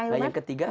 nah yang ketiga